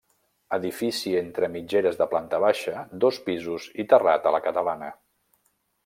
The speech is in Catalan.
Edifici entre mitgeres de planta baixa, dos pisos i terrat a la catalana.